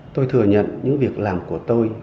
tôi thừa nhận những việc làm của tôi